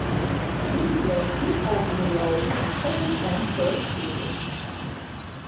Susie Blake took over the role for the second and third series.